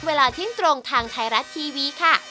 เวลาทิ้งตรงทางไทยรัตน์ทีวีค่ะ